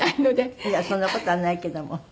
いやそんな事はないけども。